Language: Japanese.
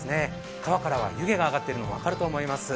川からは湯気が上がっているのが分かると思います。